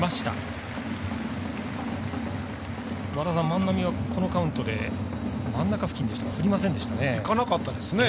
万波はこのカウントで真ん中付近でしたが振りませんでしたね。